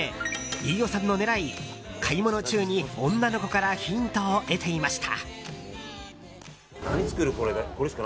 飯尾さんの狙い、買い物中に女の子からヒントを得ていました。